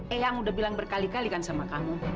eh yang udah bilang berkali kali kan sama kamu